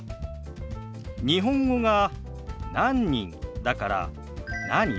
日本語が「何人」だから「何？」